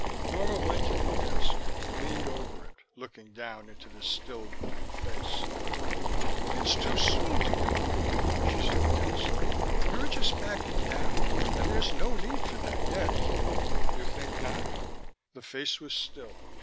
Norma went to the desk, leaned over it, looking down into the still, blank face. "It's too soon to give up," she said tensely. "You're just backing down, and there's no need for that yet " "You think not?" The face was still.